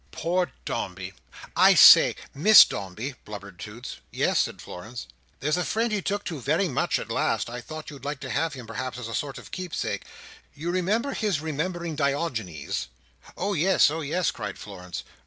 "Poor Dombey! I say! Miss Dombey!" blubbered Toots. "Yes," said Florence. "There's a friend he took to very much at last. I thought you'd like to have him, perhaps, as a sort of keepsake. You remember his remembering Diogenes?" "Oh yes! oh yes" cried Florence.